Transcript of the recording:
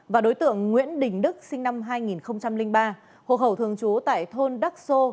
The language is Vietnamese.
và đối tượng nguyễn đình đức sinh năm hai nghìn ba hồ khẩu thường trú tại thôn đắc sô